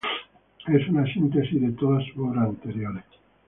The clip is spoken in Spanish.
Es una síntesis de todas sus obras anteriores.